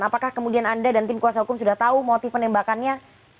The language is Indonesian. apakah kemudian anda dan tim kuasa hukum sudah tahu motif penembakannya